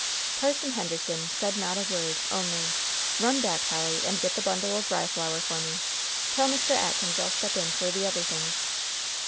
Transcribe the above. Parson Henderson said not a word, only, "Run back, Polly, and get the bundle of rye flour for me. Tell Mr. Atkins I'll step in for the other things."